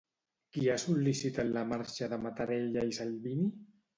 Qui ha sol·licitat la marxa de Matarella i Salvini?